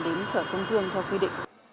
đến sở công thương theo quy định